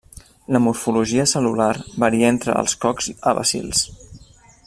La morfologia cel·lular varia entre els cocs a bacils.